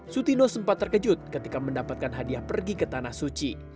sutino sempat terkejut ketika mendapatkan hadiah pergi ke tanah suci